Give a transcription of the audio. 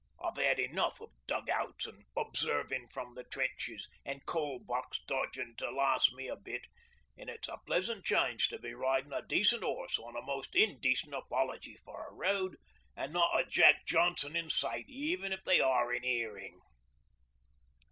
I've 'ad enough o' dug outs an' observin' from the trenches, an' Coal Box dodgin' to last me a bit, an' it's a pleasant change to be ridin' a decent 'orse on a most indecent apology for a road, an' not a Jack Johnson in sight, even if they are in 'earing."